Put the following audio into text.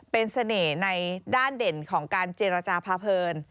เป็นเสน่ห์ในด้านเด่นของการเจรจาพาเพลิน